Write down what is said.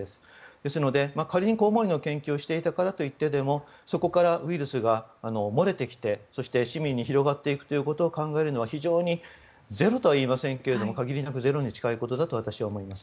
ですので仮にコウモリの研究をしていたからといってそこからウイルスが漏れてきてそして市民に広がっていくということを考えるのはゼロとは言いませんが限りなくゼロに近いことだと私は思います。